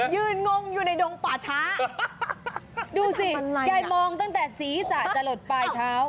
งงอยู่ในดงป่าช้าดูสิยายมองตั้งแต่ศีรษะจะหลดปลายเท้า